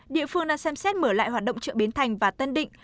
địa phương đã xem xét mở lại hoạt động trợ bến thành và tân định